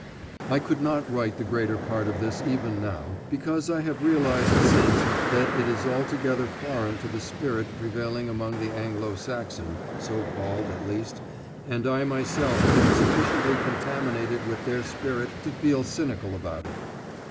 I could not write the greater part of this even now, because I have realized since that it is altogether foreign to the spirit prevailing among the Anglo Saxon, so called, at least, and I myself am sufficiently contaminated with their spirit to feel cynical about it.